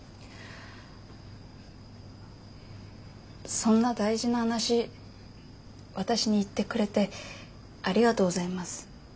そんな大事な話私に言ってくれてありがとうございます。